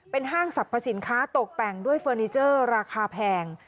ห้างสรรพสินค้าตกแต่งด้วยเฟอร์นิเจอร์ราคาแพง